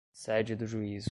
sede do juízo